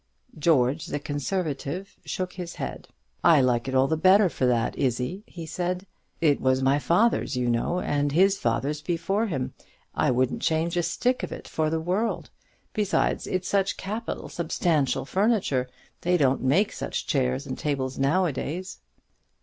George the conservative shook his head. "I like it all the better for that, Izzie," he said; "it was my father's, you know, and his father's before him. I wouldn't change a stick of it for the world. Besides, it's such capital substantial furniture; they don't make such chairs and tables nowadays."